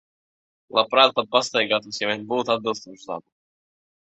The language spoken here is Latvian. Labprāt pat pastaigātos, ja vien būtu atbilstoši zābaki.